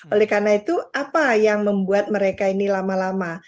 oleh karena itu apa yang membuat mereka ini lama lama